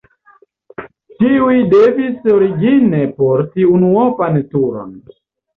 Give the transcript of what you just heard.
Tiuj devis origine porti unuopan turon.